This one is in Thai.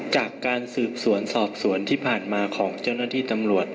จากการสืบสวนสอบสวนที่ผ่านมาของเจ้าหน้าที่ตำรวจ